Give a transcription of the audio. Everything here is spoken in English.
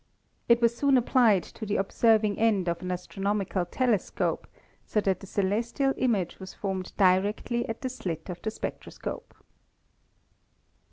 It was soon applied to the observ ing end of an astronomical telescope, so that the celestial image was formed directly at the slit of the spectroscope.